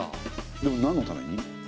でもなんのために？